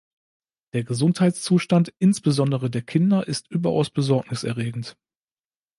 Der Gesundheitszustand insbesondere der Kinder ist überaus besorgniserregend.